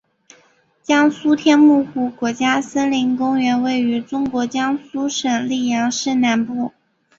江苏天目湖国家森林公园位于中国江苏省溧阳市南部。